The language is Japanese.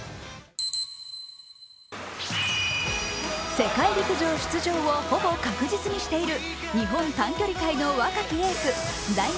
世界陸上出場をほぼ確実にしている日本短距離界の若きエース、大学